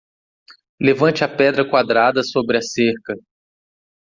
Levante a pedra quadrada sobre a cerca.